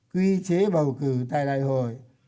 quy chế bầu cử tại đại hội